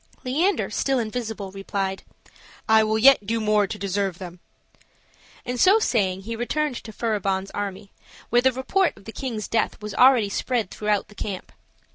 Leander, still invisible, replied, "I will yet do more to deserve them;" and so saying he returned to Furibon's army, where the report of the king's death was already spread throughout the camp.